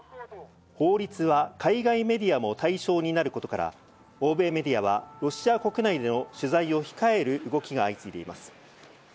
法律は海外メディアも対象になることから、欧米メディアはロシア国内での取材を控える動きが相次いでいます。